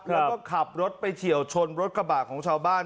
แล้วก็ขับรถไปเฉียวชนรถกระบะของชาวบ้าน